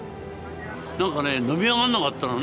なんかね伸び上がんなかったのね。